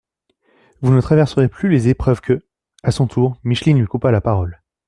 Vous ne traverserez plus les épreuves que …» A son tour, Micheline lui coupa la parole.